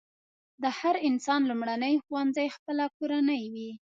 د هر انسان لومړنی ښوونځی خپله کورنۍ وي.